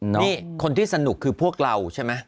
นี่คนที่สนุกคือพวกเราใช่ไหม